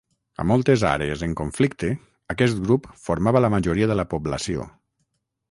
A moltes àrees en conflicte, aquest grup formava la majoria de la població.